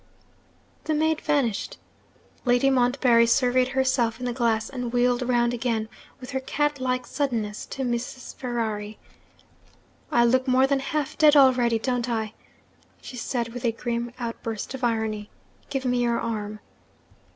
The maid vanished. Lady Montbarry surveyed herself in the glass, and wheeled round again, with her cat like suddenness, to Mrs. Ferrari. 'I look more than half dead already, don't I?' she said with a grim outburst of irony. 'Give me your arm.'